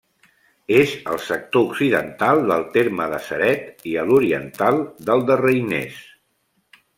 És al sector occidental del terme de Ceret i a l'oriental del de Reiners.